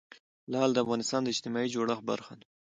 لعل د افغانستان د اجتماعي جوړښت برخه ده.